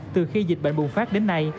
từ khi dịch bệnh bùng phát đến nay